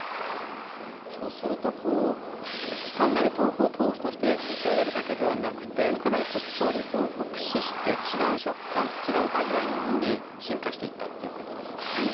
そうすると単なる豆腐を豆腐として召し上がるだけではなくてかなり調理法を駆使して違う食感違う味わいのものに進化していったっていうことですか？